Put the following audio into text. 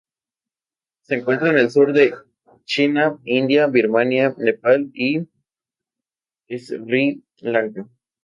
Se encuentra en el sur de China, India, Birmania, Nepal y Sri Lanka.